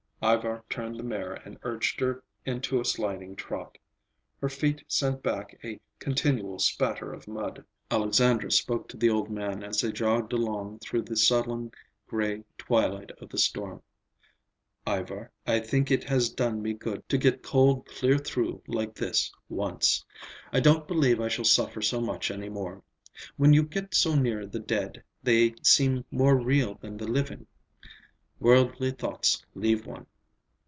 Ivar turned the mare and urged her into a sliding trot. Her feet sent back a continual spatter of mud. Alexandra spoke to the old man as they jogged along through the sullen gray twilight of the storm. "Ivar, I think it has done me good to get cold clear through like this, once. I don't believe I shall suffer so much any more. When you get so near the dead, they seem more real than the living. Worldly thoughts leave one.